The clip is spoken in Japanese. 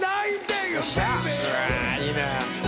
うわいいね！